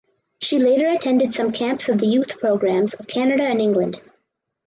She later attended some camps of the youth programs of Canada and England.